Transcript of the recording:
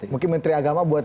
mungkin menteri agama buat